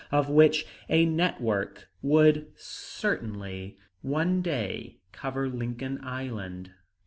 of which a network would certainly one day cover Lincoln Island.